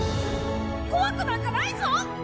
怖くなんかないぞ！